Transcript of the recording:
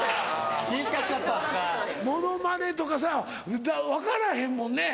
ものまねとかそや分からへんもんね。